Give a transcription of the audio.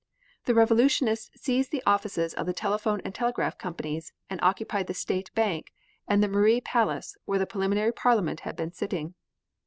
The Revolutionists seized the offices of the telephone and telegraph companies and occupied the state bank and the Marie Palace where the preliminary Parliament had been sitting.